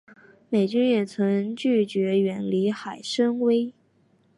美军也拒绝远离海参崴。